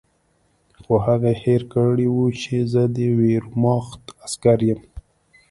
خو هغې هېر کړي وو چې زه د ویرماخت عسکر یم